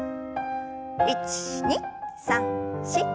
１２３４。